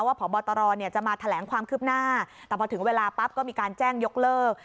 พบตรจะมาแถลงความคืบหน้าแต่พอถึงเวลาปั๊บก็มีการแจ้งยกเลิก